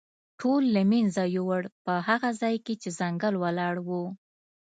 ټول له منځه یووړ، په هغه ځای کې چې ځنګل ولاړ و.